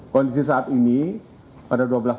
kondisi saat ini pada dua belas